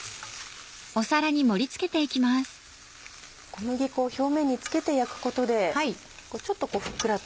小麦粉を表面に付けて焼くことでちょっとこうふっくらと。